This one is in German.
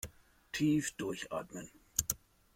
Tief durchatmen!